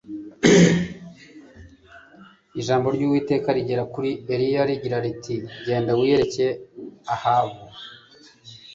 ijambo ryUwiteka rigera kuri Eliya rigira riti Genda wiyereke Ahabu